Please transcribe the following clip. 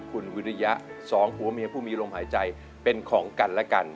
คุณวิริยะสองผัวเมียผู้มีลมหายใจเป็นของกันและกัน